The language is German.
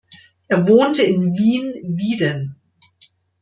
Er wohnte in Wien Wieden.